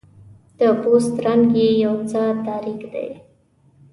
د پوست رنګ یې یو څه تاریک دی.